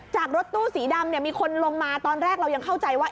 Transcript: รถตู้สีดำเนี่ยมีคนลงมาตอนแรกเรายังเข้าใจว่า